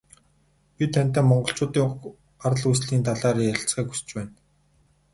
Бид тантай Монголчуудын уг гарал үүслийн талаар ярилцахыг хүсэж байна.